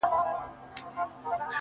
سـتـــا خــبــــــري دي.